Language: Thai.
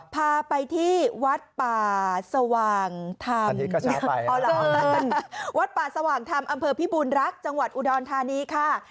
พาไปที่วัดป่าสว่างธรรมวัดป่าสว่างธรรมอำเภอพิบูรณรักษ์จังหวัดอุดรธานีค่ะ